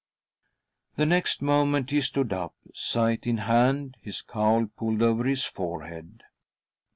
The next moment he stood up, scythe in hand, his cowl pulled over his forehead.